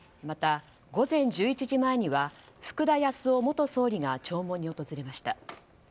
また、午前１１時前には福田康夫元総理が弔問に訪れました。